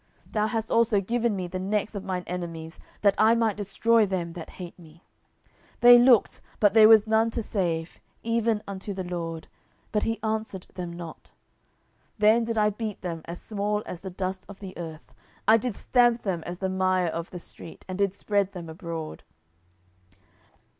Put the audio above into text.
10:022:041 Thou hast also given me the necks of mine enemies, that I might destroy them that hate me. 10:022:042 They looked, but there was none to save; even unto the LORD, but he answered them not. 10:022:043 Then did I beat them as small as the dust of the earth, I did stamp them as the mire of the street, and did spread them abroad.